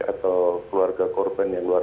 atau keluarga korban yang luar